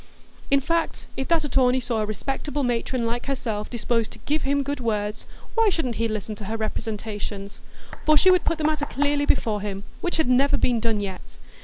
In fact, if that attorney saw a respectable matron like herself disposed "to give him good words," why shouldn't he listen to her representations? For she would put the matter clearly before him, which had never been done yet.